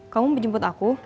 kamu mau jemput aku